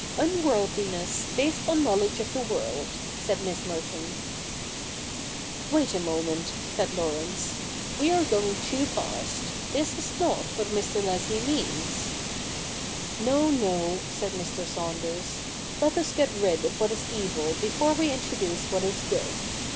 ' Unworldliness, based on knowledge of the world,' said Miss Merton. CH. hi] the new republic m 'Wait a moment," said Laurence, 'we are going too fast. This is not what Mr. Leslie means." ' No, no,' said Mr. Saunders. " Let us get rid of what is evil before we introduce what is good.